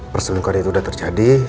perselingkuhan itu udah terjadi